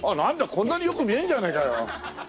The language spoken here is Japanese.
こんなによく見えるんじゃねえかよ。